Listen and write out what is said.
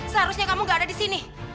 seharusnya kamu gak ada disini